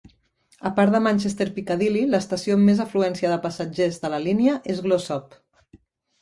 A part de Manchester Piccadilly, l'estació amb més afluència de passatgers de la línia és Glossop.